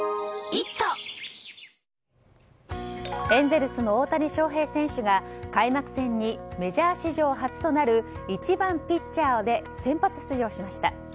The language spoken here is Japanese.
エンゼルスの大谷翔平選手が開幕戦に、メジャー史上初となる１番ピッチャーで先発出場しました。